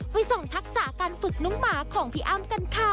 ไปส่องทักษะการฝึกน้องหมาของพี่อ้ำกันค่ะ